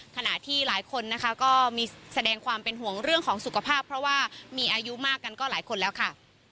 ขณะที่หลายคนนะคะก็มีแสดงความเป็นห่วงเรื่องของสุขภาพเพราะว่ามีอายุมากกันก็หลายคนแล้วค่ะ